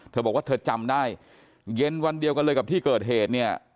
เธอบอกว่าเธอจำได้เย็นวันเดียวกันเลยกับที่เกิดเหตุเนี่ย